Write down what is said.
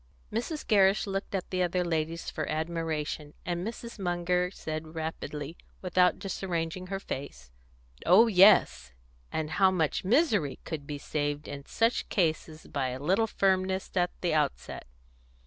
Mrs. Gerrish looked at the other ladies for admiration, and Mrs. Munger said, rapidly, without disarranging her face "Oh yes. And how much misery could be saved in such cases by a little firmness at the outset!"